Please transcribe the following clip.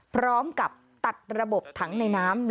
พร้อมกับตัดระบบถังในน้ำ